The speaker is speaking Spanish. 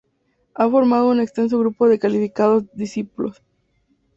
Ha formado un extenso grupo de calificados discípulos.